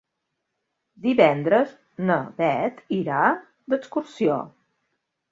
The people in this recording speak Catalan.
Divendres na Bet irà d'excursió.